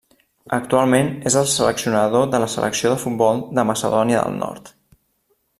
Actualment, és el seleccionador de la selecció de futbol de Macedònia del Nord.